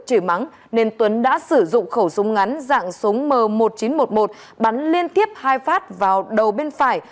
chửi mắng nên tuấn đã sử dụng khẩu súng ngắn dạng súng m một nghìn chín trăm một mươi một bắn liên tiếp hai phát vào đầu bên phải